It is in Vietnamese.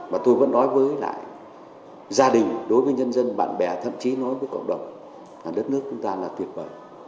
và tôi vẫn nói với lại gia đình đối với nhân dân bạn bè thậm chí nói với cộng đồng đất nước chúng ta là tuyệt vời